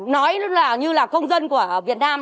nói như là công dân của việt nam